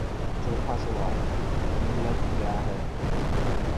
چوتھا سوال: ملت کیاہے؟